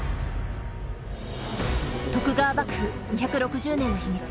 徳川幕府２６０年の秘密。